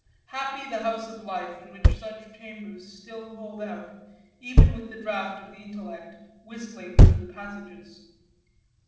Happy the house of life in which such chambers still hold out, even with the draught of the intellect whistling through the passages.